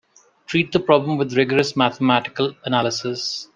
Treat the problem with rigorous mathematical analysis.